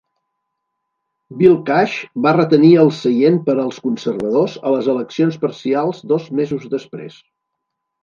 Bill Cash va retenir el seient per als conservadors a les eleccions parcials dos mesos després.